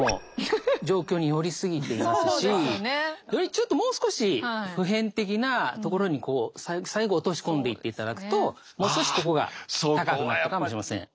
ちょっともう少し普遍的なところに最後落とし込んでいっていただくともう少しここが高くなったかもしれません。